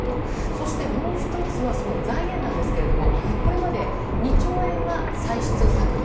そして、もう１つはその財源なんですがこれまで２兆円は歳出削減。